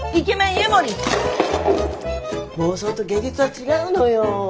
妄想と現実は違うのよ。